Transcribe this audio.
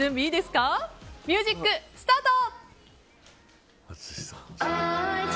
ミュージックスタート！